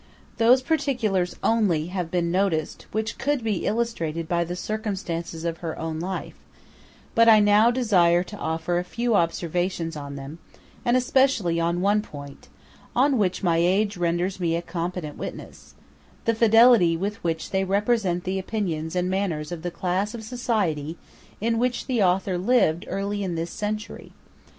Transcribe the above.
Those particulars only have been noticed which could be illustrated by the circumstances of her own life; but I now desire to offer a few observations on them, and especially on one point, on which my age renders me a competent witness the fidelity with which they represent the opinions and manners of the class of society in which the author lived early in this century.